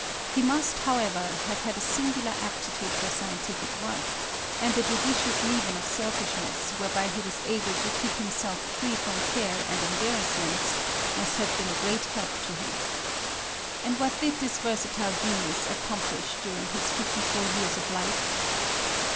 He must, however, have had a singular aptitude for scientific work; and the judicious leaven of selfishness whereby he was able to keep himself free from care and embarrassments must have been a great help to him. And what did his versatile genius accomplish during his fifty four years of life?